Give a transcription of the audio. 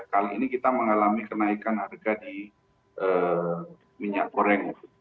kali ini kita mengalami kenaikan harga di minyak goreng